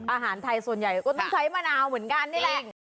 อาหารไทยส่วนใหญ่ก็ต้องใช้มะนาวเหมือนกันนี่แหละ